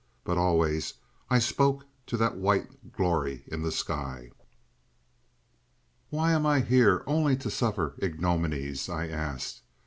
But always I spoke to that white glory in the sky. "Why am I here only to suffer ignominies?" I asked.